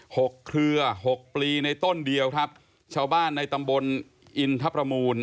หกเครือหกปลีในต้นเดียวครับชาวบ้านในตำบลอินทรประมูล